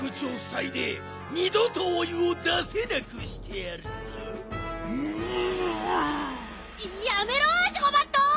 やめろジゴバット！